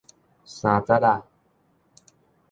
三節仔